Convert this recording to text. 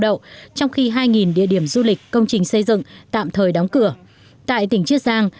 đậu trong khi hai địa điểm du lịch công trình xây dựng tạm thời đóng cửa tại tỉnh chiết giang